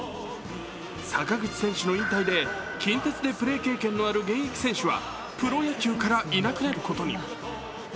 坂口選手の引退で近鉄でプレー経験のある現役選手はプロ野球からいなくなることに。